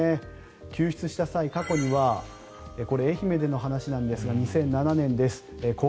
救出した際、過去にはこれ、愛媛での話なんですが２００７年です。